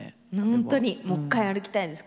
本当にもう一回歩きたいです